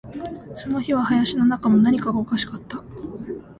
その日は林の中も、何かがおかしかった